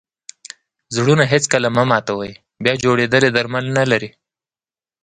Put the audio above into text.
زړونه هېڅکله مه ماتوئ! بیا جوړېدل ئې درمل نه لري.